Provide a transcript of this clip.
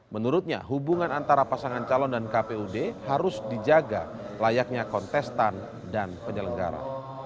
menurutnya hubungan antara pasangan calon dan kpud harus dijaga layaknya kontestan dan penyelenggara